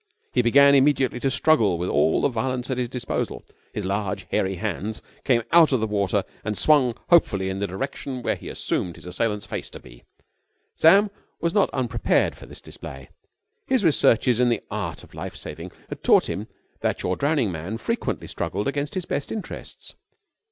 He began immediately to struggle with all the violence at his disposal. His large, hairy hands came out of the water and swung hopefully in the direction where he assumed his assailant's face to be. Sam was not unprepared for this display. His researches in the art of life saving had taught him that your drowning man frequently struggled against his best interests.